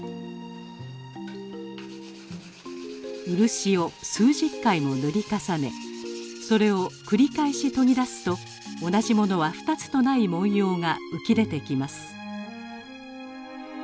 漆を数十回も塗り重ねそれを繰り返し研ぎ出すと同じものは２つとない文様が浮き出てきます。